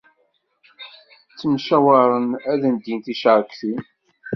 Ttemcawaren ad ndin ticerktin.